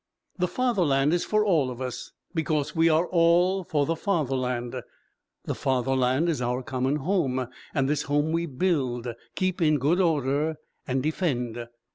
The fatherland is for all of us, because we are all for the fatherland. The fatherland is our common home, and this home we build, keep in good order, and defend.